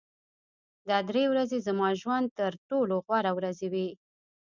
دا درې ورځې زما د ژوند تر ټولو غوره ورځې وې